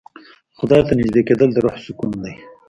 خدای ته نژدې کېدل د روح سکون دی.